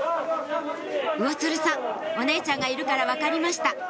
魚つるさんお姉ちゃんがいるから分かりました